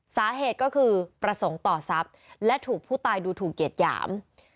สาเหตุก็คือประสงค์ต่อทรัพย์และถูกผู้ตายดูถูกเกียรติหยาม